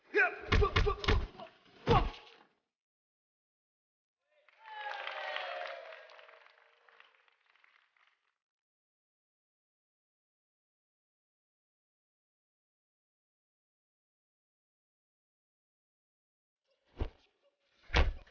jangan sampai bercanda